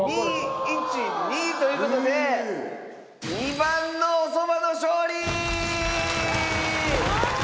２１２という事で２番のおそばの勝利！